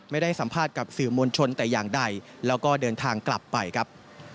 ไม่ได้สัมภาษณ์กับสื่อมวลชนแต่อย่างใดแล้วก็เดินทางกลับไปครับ